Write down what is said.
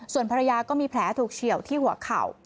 ส่วนภรรยาก็มีแผลถูกเฉียวที่หัวเข่า